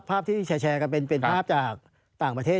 ภาพที่แชร์กันเป็นภาพจากต่างประเทศ